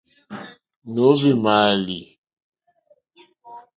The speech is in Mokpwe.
Nǒhwì mààlì.